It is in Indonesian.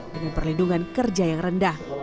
dengan perlindungan kerja yang rendah